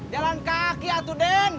jalan kaki atuh den